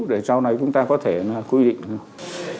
để sau này chúng ta có thể quy định được